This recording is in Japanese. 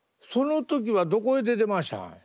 その時はどこへ出てましたん？